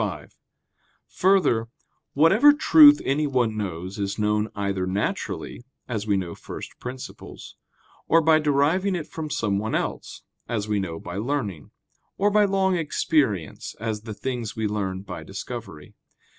5: Further, whatever truth anyone knows is known either naturally, as we know first principles; or by deriving it from someone else, as we know by learning; or by long experience, as the things we learn by discovery.